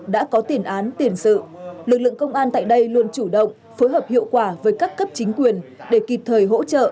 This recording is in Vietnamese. đã có tiền án tiền sự lực lượng công an tại đây luôn chủ động phối hợp hiệu quả với các cấp chính quyền để kịp thời hỗ trợ